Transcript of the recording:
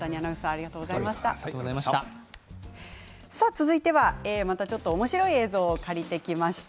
続いては、おもしろい映像を借りてきました。